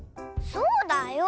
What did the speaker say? そうだよ！